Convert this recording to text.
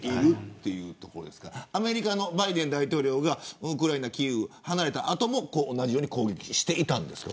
バイデン大統領がウクライナキーウを離れた後も同じように攻撃していたんですか。